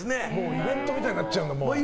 イベントみたいになっちゃうんだ。